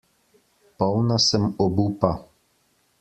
Polna sem obupa.